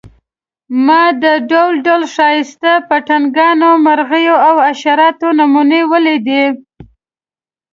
ما د ډول ډول ښایسته پتنګانو، مرغیو او حشراتو نمونې ولیدې.